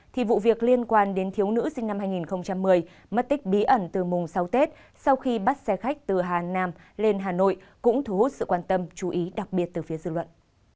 thì vụ việc liên quan đến thiếu nữ sinh năm hai nghìn một mươi mất tích bí ẩn từ mùng sáu tết sau khi bắt xe khách từ hà nam lên hà nội cũng thu hút sự quan tâm chú ý đặc biệt từ phía dự luận